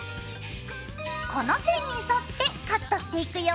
この線に沿ってカットしていくよ。